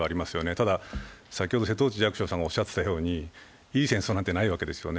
ただ先ほど、瀬戸内寂聴さんがおっしゃっていたようにいい戦争なんてないわけですよね、